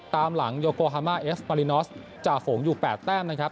ตามหลังโยโกฮามาเอฟมารินอสจ่าฝูงอยู่๘แต้มนะครับ